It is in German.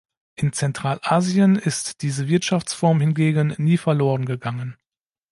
In Zentralasien ist diese Wirtschaftsform hingegen nie verloren gegangen.